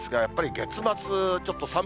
やっぱり月末、ちょっと